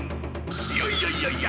いやいやいやいや！